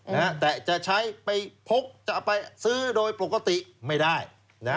นะฮะแต่จะใช้ไปพกจะเอาไปซื้อโดยปกติไม่ได้นะฮะ